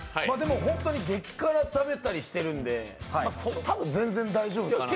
激辛、食べたりしてるんで、多分全然大丈夫かなと。